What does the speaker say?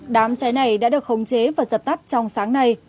đám cháy này đã được khống chế và dập tắt trong sáng nay